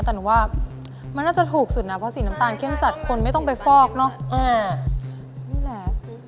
แต่หนูว่ามันน่าจะถูกสุดนะเพราะสีน้ำตาลเข้มจัดคนไม่ต้องไปฟอกเนอะนี่แหละ